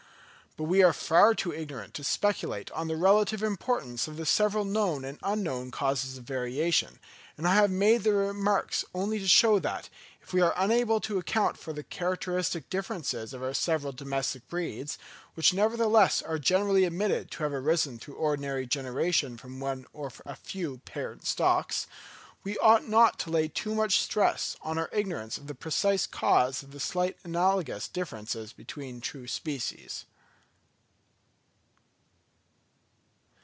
But we are far too ignorant to speculate on the relative importance of the several known and unknown causes of variation; and I have made these remarks only to show that, if we are unable to account for the characteristic differences of our several domestic breeds, which nevertheless are generally admitted to have arisen through ordinary generation from one or a few parent stocks, we ought not to lay too much stress on our ignorance of the precise cause of the slight analogous differences between true species.